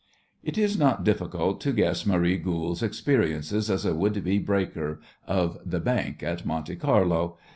It is not difficult to guess Marie Goold's experiences as a would be breaker of the bank at Monte Carlo.